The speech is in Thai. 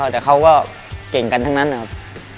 แต่เขาก็เก่งกันทั้งนั้นนะครับ